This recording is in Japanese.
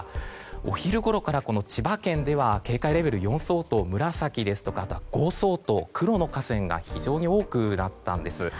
お昼ごろから千葉県では警戒レベル４相当、紫ですとか５相当、黒の河川が非常に多くなったんです。